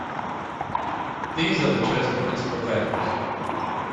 These are the chosen principal values.